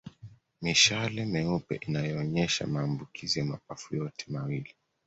Mishale meupe inayoonyesha maambukizi ya mapafu yote mawili